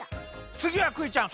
つぎはクイちゃん